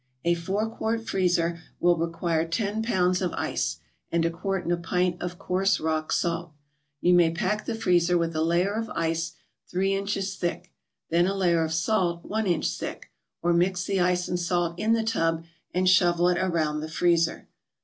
A four quart freezer will require ten pounds of ice, and a quart and a pint of coarse rock salt. You may pack the freezer with a layer of ice three inches thick, then a layer of salt one inch thick, or mix the ice and salt in the tub and shovel it around the freezer.